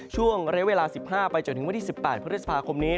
ช่วงระยะเวลา๑๕ไปจนถึงวันที่๑๘พฤษภาคมนี้